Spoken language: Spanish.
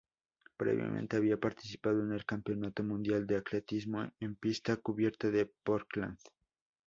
Previamente había participado en el Campeonato Mundial de Atletismo en Pista Cubierta de Portland.